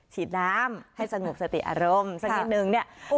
ฉีดน้ำให้สงบสติอารมณ์สักนิดนึงเนี่ย